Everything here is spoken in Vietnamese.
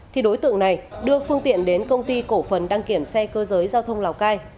thì đối tượng này đưa phương tiện đến công ty cổ phần đăng kiểm xe cơ giới giao thông lào cai